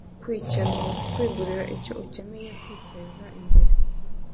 Kwikenura: kwigurira icyo ukeneye, kwiteza imbere...